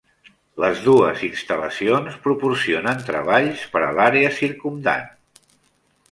Les dues instal·lacions proporcionen treballs per a l'àrea circumdant.